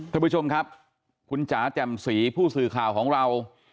ท่านผู้ชมครับคุณจ๋าแจ่มสีผู้สื่อข่าวของเรา